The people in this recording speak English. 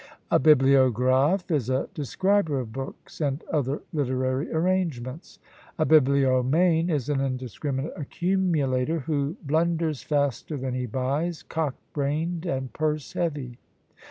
A bibliographe is a describer of books and other literary arrangements. A bibliomane is an indiscriminate accumulator, who blunders faster than he buys, cock brained, and purse heavy!